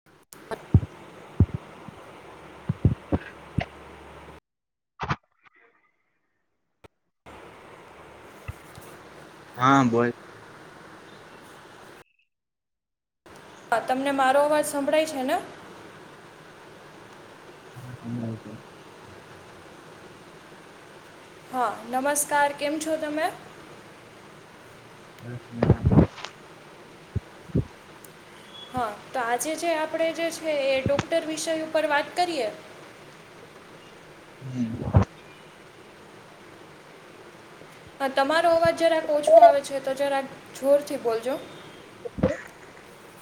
[unintelligible] હા. બોલ. હા. તમને અવાજ સંભળાય છે ને. [inaudible] હા નમસ્કાર કેમ છો તમે. [inaudible] હા તો આજે જે આપણે જે છે એ ડોક્ટર વિષય ઉપર વાત કરીએ. [unintelligible] હા તમારો અવાજ જરાક ઓછો આવે છે તો જરાક જોરથી બોલજો.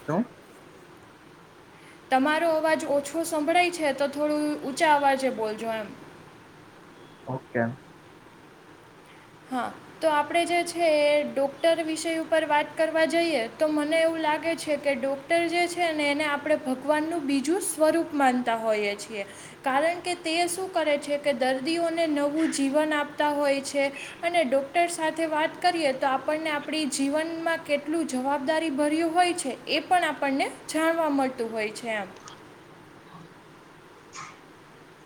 તો. તમારો અવાજ ઓછું સંભળાય છે તો થોડું ઊંચા અવાજે બોલજો એમ, હા કેમ હા. તો આપણે જે છે એ ડૉક્ટર વિષય ઉપર વાત કરવા જઈએ તો મને એવું લાગે છે કે ડોક- ટર જે છે ને એને આપણે ભગવાનનું બીજું સ્વરૂપ માનતા હોઈએ છીએ. કારણ કે તે શું કરે છે કે દર્દીઓને નવું જીવન આપતા હોય છે. અને ડૉક્ટર સાથે વાત કરીએ તો આપણને આપણી જીવનમાં કેટલું જવાબદારી ભર્યું હોય છે એ પણ આપણને જાણવા મળતું હોય છે એમ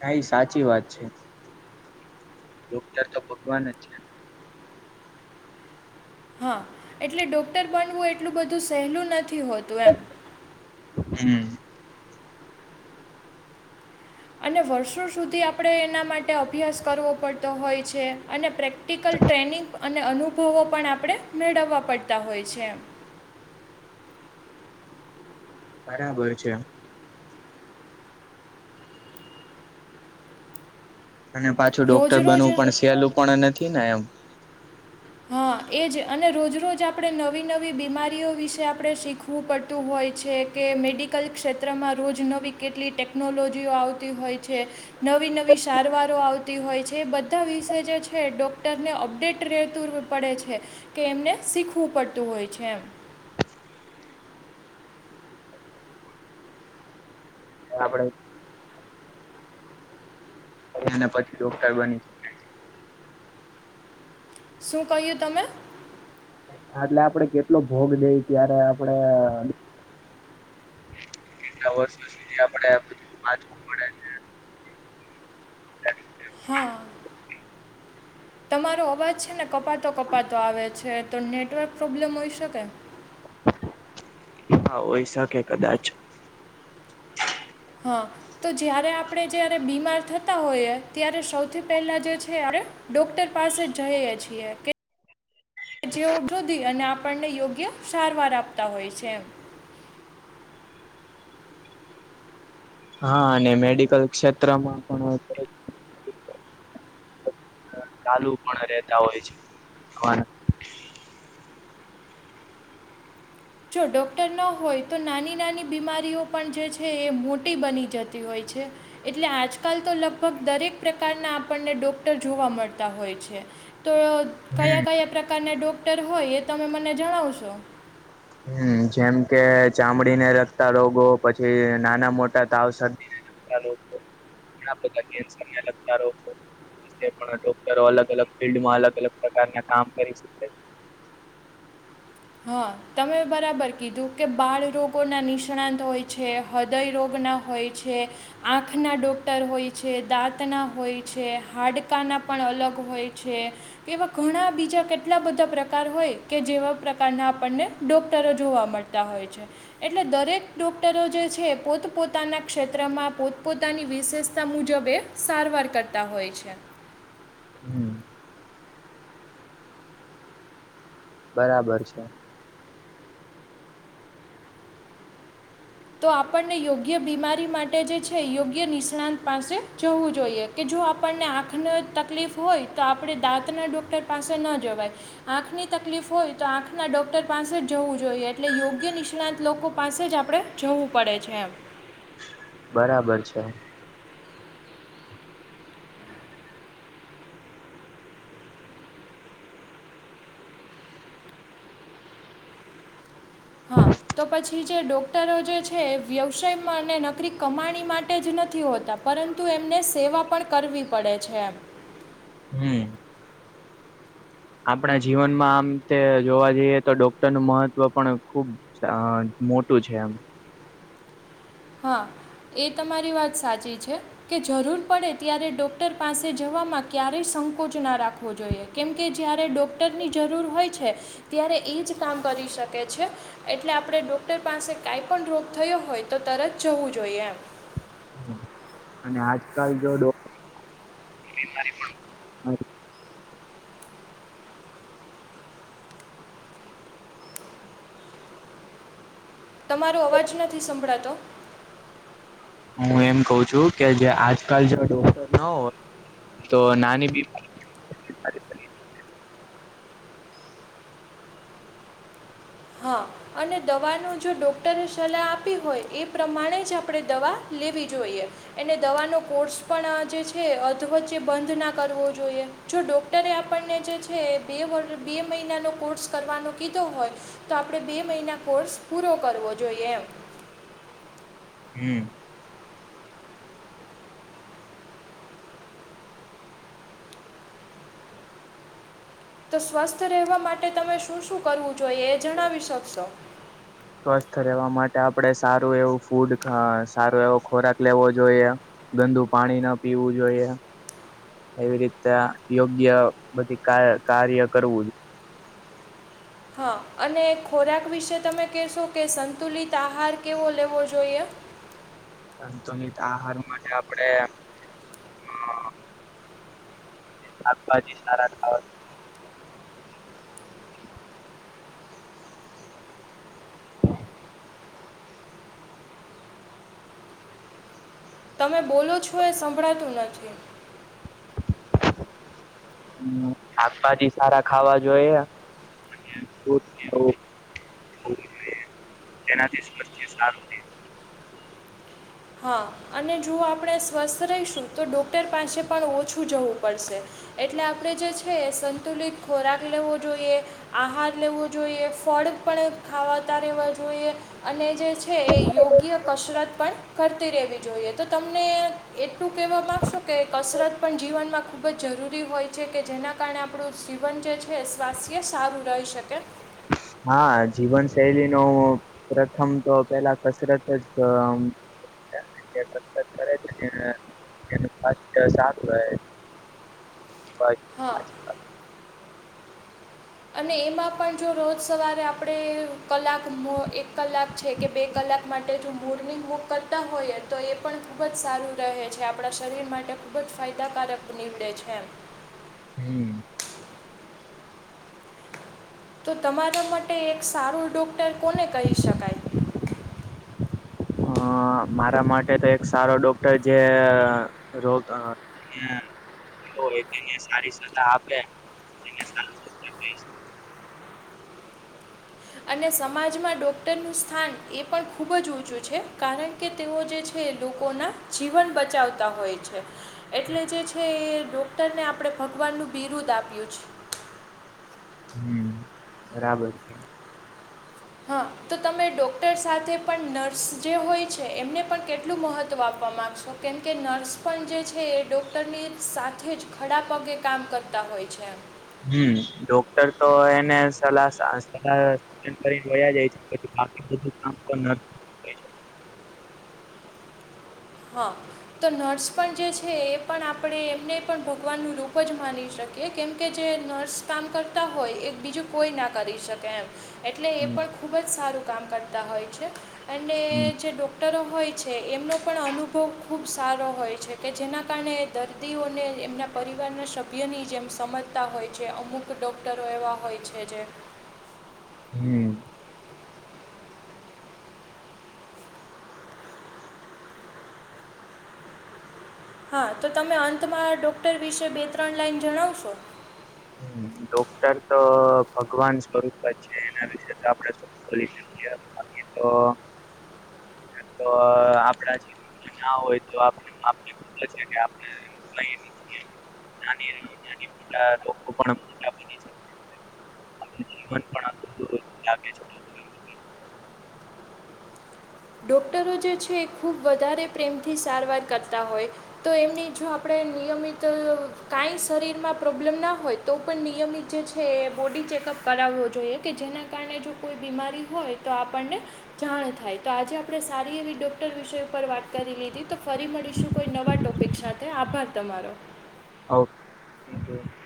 કાઈ સાચી વાત છે. ડોક્ટર તો ભગવાન જ છે. હા એટલે ડોક્ટર બનવું એટલું બધું સહેલું નથી હોતું એમ હમ્મ. અને વર્ષો સુધી આપણે એના માટે અભ્યાસ કરવો પડતો હોય છે અને પ્રેક ટિકલ ટ્રેનિંગ અને અનુભવો પણ આપણે મેળવવા પડતા હોય છે. બરાબર છે. અને પાછું રોજ ડોક્ટર રોજ બનવું પણ સહેલું પણ નથી ને એમ હા એ જ રોજ રોજ આપણે નવી નવી બીમારીઓ વિશે આપણે શીખવું વું પડતું હોય છે કે મેડિકલ ક્ષેત્રમાં રોજ નવી કેટલી ટેકનોલોજીઓ આવતી તી હોય છે. નવી નવી સારવારો આવતી હોય છે એ બધા વિશે જે છે ડોક્ટરને અપડેટ રહે પડે છે કે એમને શીખવું પડતું હોય છે એમ [inaudible] આપણે ને પછી ડોક્ટર બની શકે શું કહ્યું તમે એટલે આપડે કેટલો ભોગ દઈ ત્યારે આપડે કેટલા વર્ષ સુધી આપણે હા. તમારો અવાજ છે ને કપાતો કપાતો આવે છે તો નેટવર્ક પ્રોબ્લેમ હોઈ શકે. હા હોય શકે કદાચ હા તો જ્યારે આપણે જ્યારે બીમાર થતા હોઈએ ત્યારે સૌથી પહેલાં જે છે આપણે ડોક્ટર પાસે જઈએ છીએ કે જેવુ શોધી અને આપણને યોગ્ય સારવાર આપતા હોય છે એમ હા અને મેડિકલ ક્ષેત્રમાં પણ આપણે ચાલુ પણ રહેતા હોય છે. જો ડૉક્ટર ન હોય તો નાની નાની બીમારીઓ પણ જે છે એ મોટી બની જતી હોય છે. એટલે આજકાલ તો લગભગ દરેક પ્રકારના આપણને ડોક્ટર જોવા મળતા હોય છે. તો હમ કયા કયા પ્રકારના ડોક્ટર હોય એ તમે મને જણાવશો હમ્મ જેમ કે ચામડીને લગતા રોગો નાના મોટા તાવ શરદી ઘણા બધા કેસ ને લગતા રોગ જે પણ ડોક્ટરો અલગ અલગ ફિલ્ડમાં અલગ અલગ પ્રકારના કામ કરી શકે હા તમે બરાબર કીધું કે બાળરોગોના નિષ્ણાત હોય છે હૃદય રોગના હોય, છે. આંખના ડોક્ટર હોય છે દાંતના હોય છે હાડકાના પણ અલગ હોય છે. એવા ઘણા બીજા કેટલા બધા પ્રકાર હોય કે જેવાપ્રકાર, પ્રકારના આપણને ડોક્ટરો જોવા મળતા હોય છે. એટલે દરેક ડોક્ટરો જે છે પોતપોતાના ક્ષેત્રમાંપોત પોતે, પોતાની વિશેષતા મુજબ એ સારવાર કરતા હોય છે. હમ, બરાબર છે. તો આપણને યોગ્ય બીમારી માટે જે છે, એ યોગ્ય નિષ્ણાંત પાસે જવું જોઈએ. કે જો આપણને આંખનો તકલીફ હોય તો આપણે દાંતના ડૉક્ટર પાસે ન જવાય. આંખની તકલીફ હોય તો આંખના ડૉક્ટર પાસે જ જવું જોઈએ. એટલે યોગ્ય નિષ્ણાંત લોકો પાસે જ આપણે જવું પડે છે એમ. બરાબર છે. હા. તો પછી જે ડૉક્ટરો જે છે એ વ્યવસાયમાં અને નકરી કમાણી માટે જ નથી હોતા. પરંતુ એમને સેવા પણ કરવી પડે છે એમ. હમ્મ. આપણા જીવનમાં આમ તે જોવા જઈએ તો ડોક્ટરનું મહત્વ પણ ખુબ [unintelligible] મોટું છે એમ. હા. એ તમારી વાત સાચી છે. કે જરૂર પડે ત્યારે ડૉક્ટર પાસે જવામાં ક્યારેય સંકોચ ના રાખવો જોઈએ. કેમ કે જ્યારે ડૉક્ટરની જરૂર હોય છે ત્યારે ઈ જ કામ કરી શકે છે. એટલે આપણે ડોક્ટર પાસે કાંઈ પણ રોગ થયો હોય તો તરત જવું જોઈએ એમ. અને આજકાલ જો ડોક્ બિમારીમાં તમારો અવાજ નથી સંભળાતો. હું એમ કઉ છું, કે જે આજકાલ જો ડોક્ટર ન હોત તો નાની બીમ હા, અને દવાનું જો ડૉક્ટરે સલાહ આપી હોય, એ પ્રમાણે જ આપણે દવા લેવી જોઈએ. એને દવાનો કોર્સ પણ આ જે છે, એ અધવચ્ચે બંધ ના કરવો જોઈએ. જો ડૉક્ટરે આપણને જે છે એ બે વરહ બે મહિનાનો કોર્સ કરવાનો કીધો હોય તો આપણે બે મહિના કોર્સ પૂરો કરવો જોઈએ એમ. હમ્મ. તો સ્વસ્થ રહેવા માટે તમે શું-શું કરવું જોઈએ? એ જણાવી શકશો. સ્વસ્થ રહેવા માટે આપણે સારું એવું ફૂડ ખા સારો એવો ખોરાક લેવો જોઈએ. ગંદુ પાણી ન પીવું જોઈએ. એવી રીતે યોગ્ય બધી કાર કાર્ય કરવું. હા. અને ખોરાક વિશે તમે કહેશો, કે સંતુલિત આહાર કેવો લેવો જોઈએ? સંતુલિત આહાર માટે આપડે શાકભાજી સારા ખાવા [inaudible] તમે બોલો છો એ સંભળાતું નથી. હમ શાકભાજી સારા ખાવા જોઈએ. [inaudible] તેના થી સ્વસ્થ સારુ રે હા અને જો આપણે સ્વસ્થ રહીશું. તો ડૉક્ટર પાસે પણ ઓછું જવું પડશે. એટલે આપડે જે છે સંતુલિત ખોરાક લેવો જોઈએ. આહાર લેવો જોઈએ ફળ પણ ખાવાતા રહેેવા જોઈએ અને જે છે એ યોગ્ય કસરત પણ કરતી રહેવી જોઈએ. તો તમને એટલું કહેવા માગશો કે કસરત પણ જીવનમાં ખૂબ જ જરૂરી હોય છે કે જેના કારણે આપણું જીવન જે છે. સ્વાસ્થ્ય સારું રહી શકે. હા જીવન શૈલીનો પ્રથમ તો પેલા કસરત જ આમ જે કસરત કરે છે [inaudible] તેનુ સ્વસ્થ સારું રહે. હ અને એમાં પણ જો રોજ સવારે આપડે કલાક મોં એક કલાક છે કે બે કલાક માટે માટે જો મોર્નિંગ વોક કરતા હોઈએ તો એ પણ ખૂબ જ સારું રહે છે. આપડા શરીર માટે ખુબ જ ફાયદકારક નીવડે છે એમ હમ તો તમારા માટે એક સારું ડોક્ટર કોને કહી શકાય? અ મારા માટે તો એક સારો ડોક્ટર જે રોગ [inaudible] સારી સલાહ આપે [inaudible] એને સારો [inaudible] અને સમાજમાં ડૉક્ટરનું સ્થાન એ પણ ખૂબ જ ઊંચું છે કારણ કે તેઓ જે છે. લોકો ના જીવન બચાવતા હોય છે. એટલે જે છે એ ડોક્ટરને આપણેે ભગવાનનું બિરુદ આપ્યું છે. હમ બરાબર હા તો તમે ડૉક્ટર સાથે પણ નર્સ જે હોય છે. એમને પણ કેટલું મહત્ત્વ આપવા માગશો? કેમકે નર્સ પણ જે છે. એ ડૉક્ટરની સાથે જ ખડા પગે કામ કરતા હોય છે. હમ ડોક્ટર તો એને સલાહ સ [unintelligible] કરીને વયા જાય છે પછી બાકી બધુ કામ તો નર્સ નુ હોય હ તો નર્સ પણ જે છે. એ પણ આપણે એમને પણ ભગવાનનું રૂપ જ માની શકીએ કે કેમ કે જે નર્સ કામ કરતા હોય. એ બીજું કોઈ ના કરી શકે એમ એટલે એ હમ પણ ખૂબ જ સારું કામ કરતા હોય છે, અને હમ જે ડોક ક્ટરો હોય છે. એમનો અનુભવ ખુબ સારો હોય છે કે જેના કારણે દર્દીઓને એમના પરિવારના સભ્યની જેમ સમજતા હોય છે. અમુક ડૉક્ટરો એવા હોય છે જે હમ હા તો તમે અંતમાં ડૉક્ટર વિશે બે ત્રણ લાઈન જણાવશો? હ ડોક્ટર તો ભગવાન સ્વરૂપ જ છે. એના વિશે તો આપડે શુ બોલી શકીએ બાકી તો તો આપણા જી [inaudible] ના હોય તો [inaudible] આપ છે કે આપણે [inaudible] નાની મોટા રોગો પણ મોટા બનઈ શકે છે. જીવન પણ આ [inaudible] લાગે છે. ડોક્ટરો જે છે. ખૂબ વધારે પ્રેમથી સારવાર કરતા હોય તો એમની જો આપડે નિયમિત અ કાંઈ શરીરમાં પ્રોબ્લેમ ના હોય તો પણ નિયમિત જે છે એ બોડી ચેકઅપ કરાવવો જોઈએ કે જેના કારણે જો કોઈ બીમારી હોય તો આપણને જાણ થાય. તો આજે આપણે સારી એવી ડોક્ટર વિષય ઉપર વાત કરી લીધી તો ફરી મળીશું કોઈ નવા ટોપીક [inaudible] તે આભાર તમારો. હવ [inaudible]